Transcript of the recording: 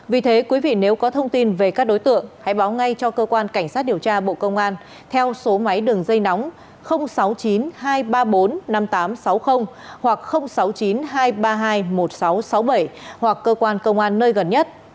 vì thế quý vị nếu có thông tin về các đối tượng hãy báo ngay cho cơ quan cảnh sát điều tra bộ công an theo số máy đường dây nóng sáu mươi chín hai trăm ba mươi bốn năm nghìn tám trăm sáu mươi hoặc sáu mươi chín hai trăm ba mươi hai một nghìn sáu trăm sáu mươi bảy hoặc cơ quan công an nơi gần nhất